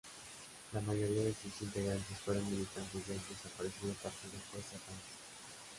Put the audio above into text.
La mayoría de sus integrantes fueron militantes del desaparecido partido Fuerza País.